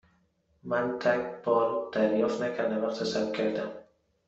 من تگ بار دریافت نکردم وقتی ثبت کردم.